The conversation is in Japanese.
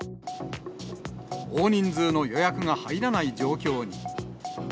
大人数の予約が入らない状況に。